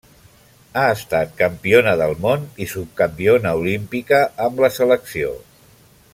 Ha estat campiona del món i subcampiona olímpica amb la selecció.